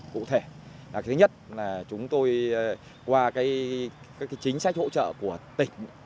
cụ thể là thứ nhất là chúng tôi qua các chính sách hỗ trợ của tỉnh